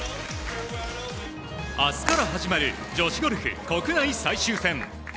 明日から始まる女子ゴルフ国内最終戦。